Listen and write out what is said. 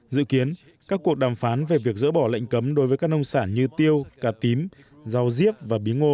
dự kiến các cuộc đàm phán về việc dỡ bỏ lệnh cấm đối với các nông sản như tiêu cà tím rau và bí ngô